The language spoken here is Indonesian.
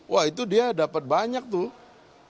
wah itu dia dapat banyak tuh